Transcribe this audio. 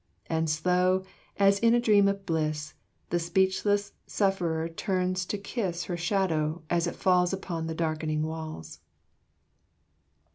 And slow, as in a dream of bliss, The speechless sufferer turns to kiss Her shadow, as it falls Upon the darkening walls.